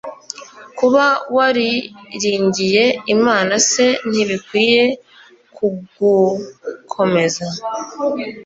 kuba wariringiye imana se ntibikwiye kugukomeza